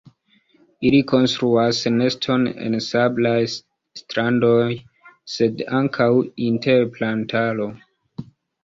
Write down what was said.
Ili konstruas neston en sablaj strandoj sed ankaŭ inter plantaro.